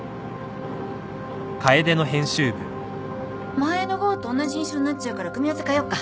前の号とおんなじ印象になっちゃうから組み合わせ変えよっか。